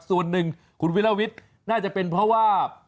ส่วนหนึ่งคุณวิลวิทย์น่าจะเป็นเพราะว่า